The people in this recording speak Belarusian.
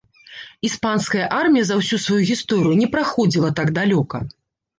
Іспанская армія за ўсю сваю гісторыю не праходзіла так далёка.